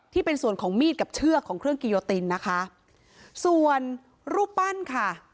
ที่เป็นส่วนของมีดกับเชือกของเครื่องกิโยตินนะคะส่วนรูปปั้นค่ะ